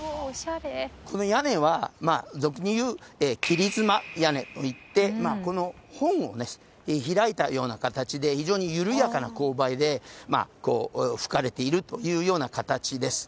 この屋根は俗に言う切妻屋根といって本を開いたような形で非常に緩やかな勾配でふかれているというような形です。